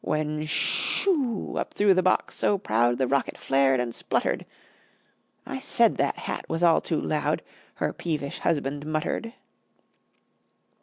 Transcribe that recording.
When, sch u u! up through the box so proud The rocket flared and spluttered. "I said that hat was all too loud!" Her peevish husband muttered.